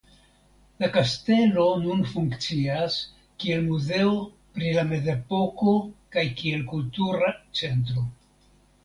La kastelo nun funkcias kiel muzeo pri la mezepoko kaj kiel kultura centro.